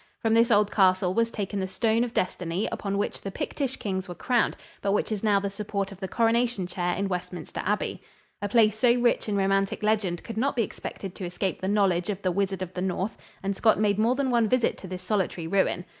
From this old castle was taken the stone of destiny upon which the Pictish kings were crowned, but which is now the support of the coronation chair in Westminster Abbey. A place so rich in romantic legend could not be expected to escape the knowledge of the Wizard of the North and Scott made more than one visit to this solitary ruin.